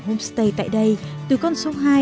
homestay tại đây từ con số hai